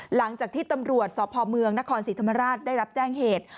หลังจากที่ตำรวจสพเมืองนครศรีธรรมราชได้รับแจ้งเหตุ